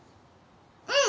うん！